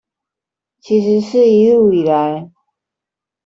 其實是一路以來